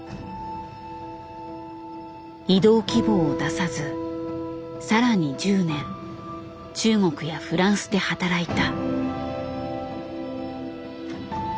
異動希望を出さず更に１０年中国やフランスで働いた。